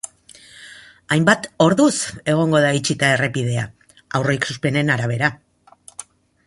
Hainbat orduz egongo da itxita errepidea, aurreikuspenen arabera.